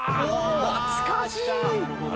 「懐かしい！」